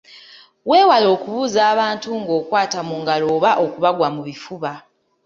Weewale okubuuza abantu ng’okwata mu ngalo oba okubagwa mu bifuba.